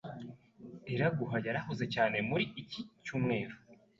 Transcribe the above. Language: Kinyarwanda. Iraguha yarahuze cyane muri iki cyumweru.